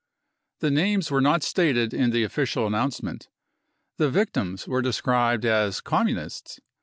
The names were not stated in the official announcement. The victims were described as Communists.